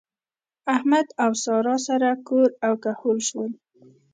احمد او سارا سره کور او کهول شول.